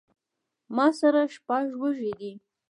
ما سره شپږ وزې دي